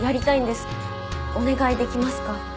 お願いできますか？